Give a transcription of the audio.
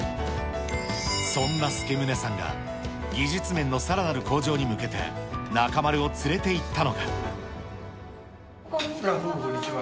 そんな助宗さんが技術面のさらなる向上に向けて、こんにちは。